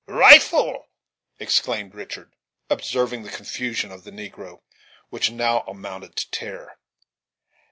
"Rifle!" exclaimed Richard, observing the confusion of the negro, which now amounted to terror.